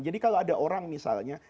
jadi kalau ada orang misalnya